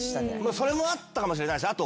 それもあったかもしれないしあと。